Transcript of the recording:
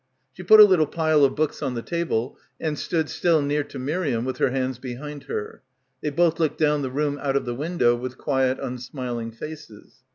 She put a little pile of books on the table and stood still near to Miriam, with her hands behind her. They both looked down the room out of the window, with quiet unsmiling faces.